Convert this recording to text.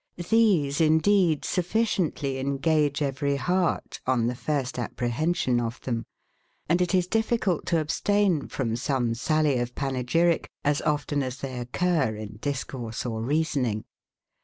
These, indeed, sufficiently engage every heart, on the first apprehension of them; and it is difficult to abstain from some sally of panegyric, as often as they occur in discourse or reasoning.